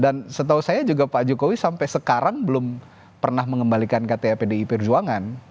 dan setahu saya juga pak jokowi sampai sekarang belum pernah mengembalikan ktp di ipirjuangan